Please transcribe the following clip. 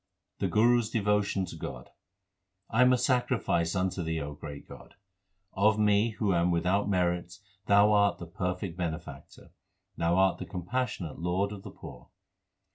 The Guru s devotion to God : I am a sacrifice unto Thee, O great God. Of me who am without merits Thou art. the perfect bene factor ; Thou art the compassionate Lord of the poor.